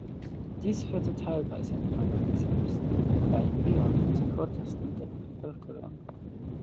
Dies führte teilweise in Frankreich selbst, etwa in Lyon, zu Protesten der Bevölkerung.